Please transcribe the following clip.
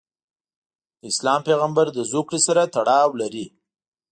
د اسلام پیغمبرله زوکړې سره تړاو لري.